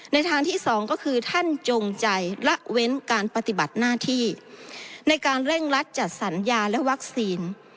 ทางที่สองก็คือท่านจงใจละเว้นการปฏิบัติหน้าที่ในการเร่งรัดจัดสัญญาและวัคซีน